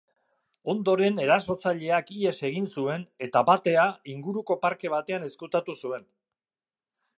Ondoren erasotzaileak ihes egin zuen eta batea inguruko parke batean ezkutatu zuen.